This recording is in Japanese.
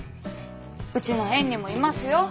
うちの園にもいますよ。